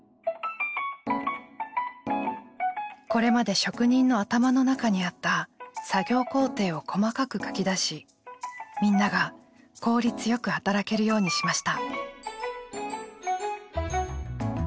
これまで職人の頭の中にあった作業工程を細かく書き出しみんなが効率よく働けるようにしました。